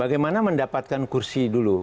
bagaimana mendapatkan kursi dulu